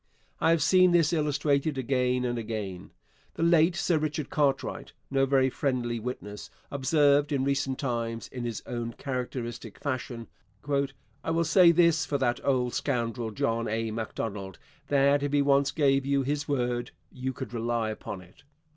I have seen this illustrated again and again. The late Sir Richard Cartwright no very friendly witness observed in recent times, in his own characteristic fashion: 'I will say this for that old scoundrel John A. Macdonald, that if he once gave you his word, you could rely upon it.'